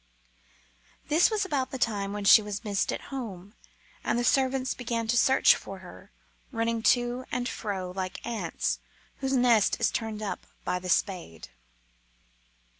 This was about the time when she was missed at home, and the servants began to search for her, running to and fro like ants whose nest is turned up by the spade.